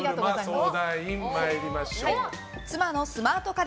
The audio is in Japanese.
相談員参りましょう。